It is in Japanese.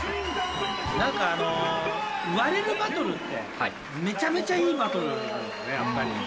何かあの割れるバトルってめちゃめちゃいいバトルなんだよねやっぱり。